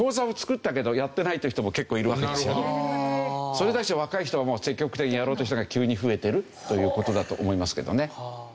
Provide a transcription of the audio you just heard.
それに対して若い人は積極的にやろうって人が急に増えてるという事だと思いますけどね。